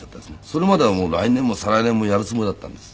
それまではもう来年も再来年もやるつもりだったんです。